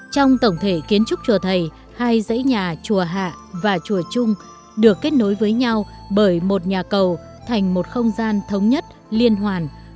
trong tổng thể kiến trúc chùa thầy hai dãy nhà chùa hạ và chùa chung được kết nối với nhau bởi một nhà cầu thành một không gian thống nhất liên hoàn